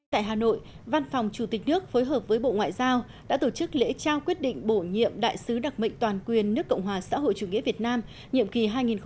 tại hà nội văn phòng chủ tịch nước phối hợp với bộ ngoại giao đã tổ chức lễ trao quyết định bổ nhiệm đại sứ đặc mệnh toàn quyền nước cộng hòa xã hội chủ nghĩa việt nam nhiệm kỳ hai nghìn một mươi năm hai nghìn hai mươi năm